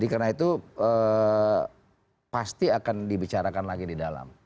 karena itu pasti akan dibicarakan lagi di dalam